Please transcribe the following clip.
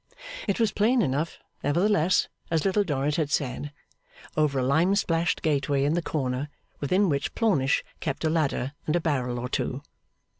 It was plain enough, nevertheless, as Little Dorrit had said; over a lime splashed gateway in the corner, within which Plornish kept a ladder and a barrel or two.